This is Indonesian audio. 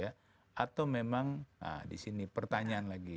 atau memang disini pertanyaan lagi